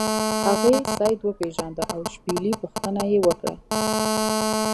هغې سید وپیژنده او د شپیلۍ پوښتنه یې وکړه.